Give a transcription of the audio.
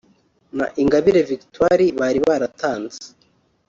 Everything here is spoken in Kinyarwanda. na Ingabire Victoire) bari baratanze